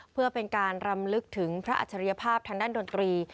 เพื่อเป็นการรำลึกถึงพระอัจฉริยภาพทางด้านดนตรี